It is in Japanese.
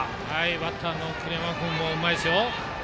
バッターの栗山君もうまいですよ。